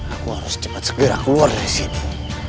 aku harus cepat segera keluar dari sini